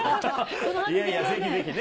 いやいや、ぜひぜひね。